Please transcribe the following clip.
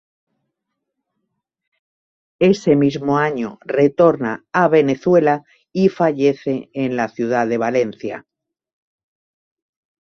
Ese mismo año retorna a Venezuela y fallece en la ciudad de Valencia.